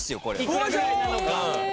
・幾らぐらいなのか。